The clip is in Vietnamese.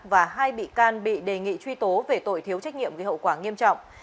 và hai bị can bị đề nghị truy tố về tội thiếu trách nhiệm gây hậu quả nghiêm trọng